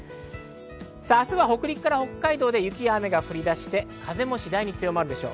明日は北陸から北海道で雪や雨が降り出して、風も次第に強まるでしょう。